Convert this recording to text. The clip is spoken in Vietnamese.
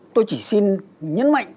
tôi chỉ xin nhấn mạnh